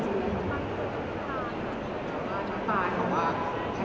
ที่มีความรู้สึกกว่าที่มีความรู้สึกกว่า